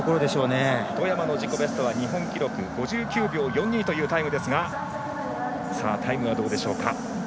外山の自己ベストは日本記録５９秒４２というタイムですがどうでしょうか。